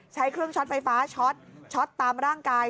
ใช้เครื่องช็อตไฟฟ้าช็อตช็อตตามร่างกาย